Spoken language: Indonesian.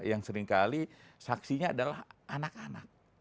yang seringkali saksinya adalah anak anak